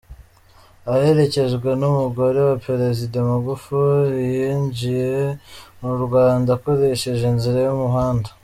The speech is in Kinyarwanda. Aherekejwe n'umugore we, Perezida Magufuli yinjiye mu Rwanda akoresheje inzira y'umuhanda.